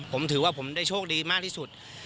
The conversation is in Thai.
ผมถือว่าผมได้โชคดีมากที่สุด